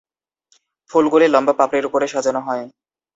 ফুলগুলি লম্বা পাপড়ির উপর সাজানো হয়।